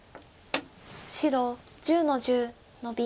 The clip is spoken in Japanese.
白１０の十ノビ。